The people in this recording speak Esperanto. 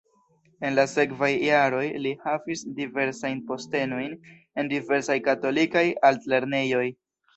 En la sekvaj jaroj li havis diversajn postenojn en diversaj katolikaj altlernejoj.